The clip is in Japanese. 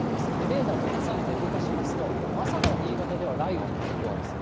レーダーと重ねて動かしますと、朝から新潟では雷雨になっています。